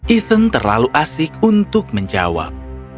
ethan terlalu asik untuk menjawab